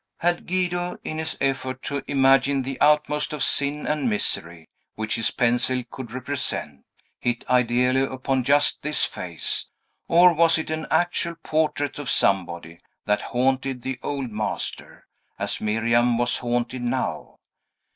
Had Guido, in his effort to imagine the utmost of sin and misery, which his pencil could represent, hit ideally upon just this face? Or was it an actual portrait of somebody, that haunted the old master, as Miriam was haunted now?